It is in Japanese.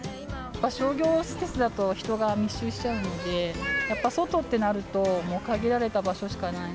商業施設だと人が密集しちゃうので、やっぱり外ってなると、もう限られた場所しかない。